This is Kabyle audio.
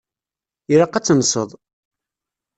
Ilaq ad tenseḍ.